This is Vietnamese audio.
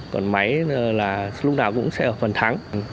còn máy là lúc nào cũng sẽ ở phần thắng